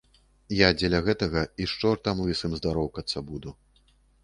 Я дзеля гэтага і з чортам лысым здароўкацца буду.